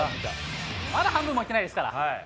まだ半分もいってないですから。